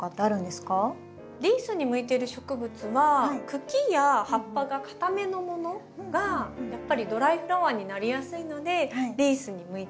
リースに向いている植物は茎や葉っぱがかためのものがやっぱりドライフラワーになりやすいのでリースに向いてますね。